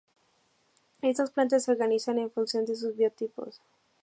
Estas plantas se organizan en función de sus biotopos.